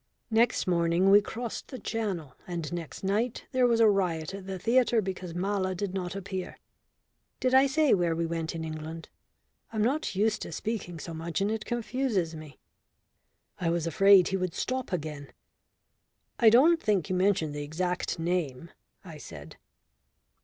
Next morning we crossed the Channel, and next night there was a riot at the theatre because Mala did not appear. Did I say where we went in England? I am not used to speaking so much, and it confuses me." I was afraid he would stop again. "I don't think you mentioned the exact name," I said.